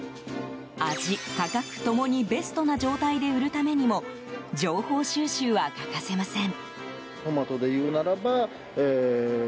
味・価格、共にベストな状態で売るためにも情報収集は欠かせません。